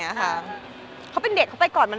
เนื้อหาดีกว่าน่ะเนื้อหาดีกว่าน่ะ